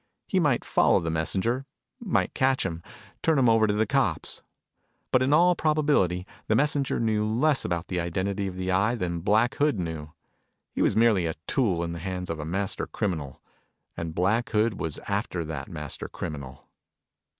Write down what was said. He might follow the messenger, might catch him, turn him over to the cops. But in all probability, the messenger knew less about the identity of the Eye than Black Hood knew. He was merely a tool in the hands of a master criminal. And Black Hood was after that master criminal.